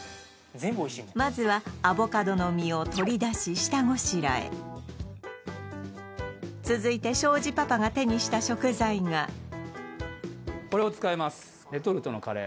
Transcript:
まずはアボカドの実を取り出し下ごしらえ続いて庄司パパがこれを使います